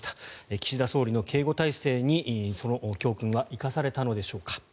岸田総理の警護態勢にその教訓は行かされたのでしょうか。